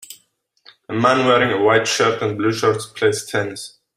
A man wearing a white shirt and blue shorts plays tennis.